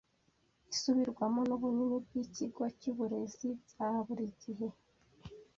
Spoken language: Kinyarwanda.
isubirwamo nubunini bwikigo cyuburezibyaburi gihe